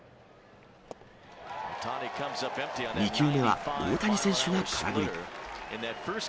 ２球目は大谷選手が空振り。